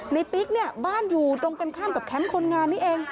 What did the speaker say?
ปิ๊กเนี่ยบ้านอยู่ตรงกันข้ามกับแคมป์คนงานนี้เอง